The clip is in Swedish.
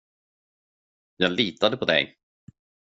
Jag litade på dig.